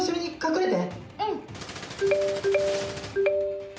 うん。